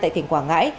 tại tỉnh quảng ngãi